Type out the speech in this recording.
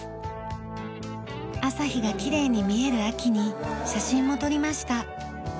朝日がきれいに見える秋に写真も撮りました。